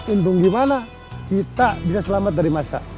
untung gimana kita bisa selamat dari masa